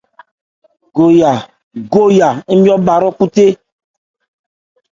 Goya nmyɔ̂n bha hrɔ́khúthé.